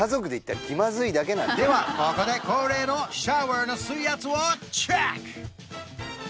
ではここで恒例のシャワーの水圧をチェック！